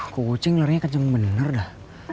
kucing larinya kejeng bener dah